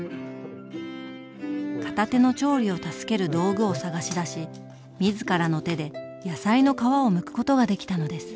片手の調理を助ける道具を探し出し自らの手で野菜の皮をむくことができたのです。